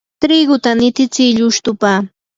triguta nititsi llustupa.